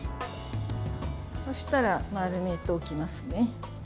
そうしたら、丸めておきますね。